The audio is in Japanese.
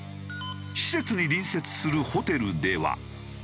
施設に隣接するホテルでは。